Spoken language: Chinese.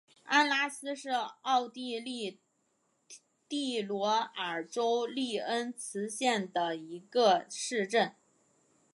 安拉斯是奥地利蒂罗尔州利恩茨县的一个市镇。